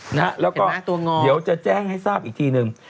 เห็นไหมตัวงอแล้วก็เดี๋ยวจะแจ้งให้ทราบอีกทีหนึ่ง